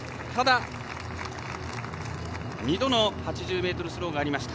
２度の８０ｍスローがありました。